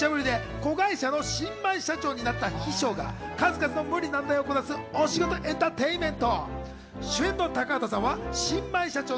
こちらは社長からのムチャブリで子会社の新米社長になった秘書が数々の無理難題をこなすお仕事エンターテインメント。